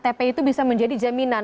karena memang ktp itu bisa menjadi jaminan